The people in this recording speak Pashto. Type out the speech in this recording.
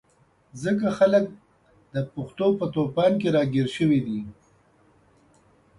ځکه خلک د پېښو په توپان کې راګیر شوي دي.